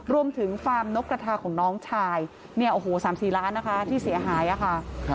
รวมถึงฟาร์มนกกระทาของน้องชายแหละเนี่ยสามสี่ล้านนะคะที่เสียหายอ่ะค่ะ